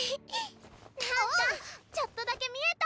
何かちょっとだけ見えた！